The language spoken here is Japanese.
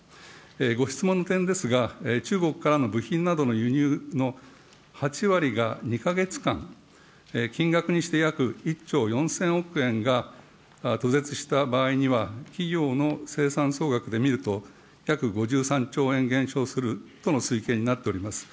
ご質問の点ですが、中国からの部品などの輸入の８割が２か月間、金額にして約１兆４０００億円が途絶した場合には、企業の生産総額で見ると、約５３兆円減少するとの推計になっております。